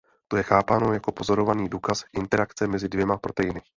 To je chápáno jako pozorovaný důkaz interakce mezi dvěma proteiny.